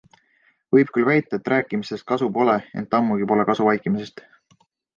Võib küll väita, et rääkimisest kasu pole, ent ammugi pole kasu vaikimisest.